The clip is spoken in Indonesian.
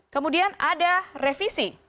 kemudian ada revisi